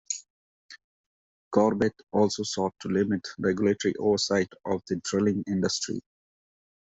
Corbett also sought to limit regulatory oversight of the drilling industry.